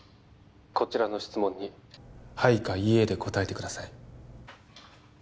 こちらの質問に「はい」か「いいえ」で答えてください